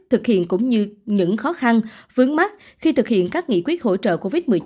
thực hiện cũng như những khó khăn vướng mắt khi thực hiện các nghị quyết hỗ trợ covid một mươi chín